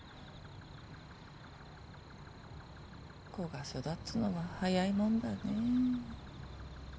子が育つのは早いもんだねぇ。